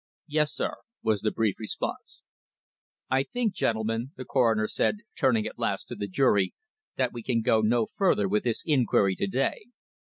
"Yes, sir," was the brief response. "I think, gentlemen," the coroner said, turning at last to the jury, "that we can go no further with this inquiry to day.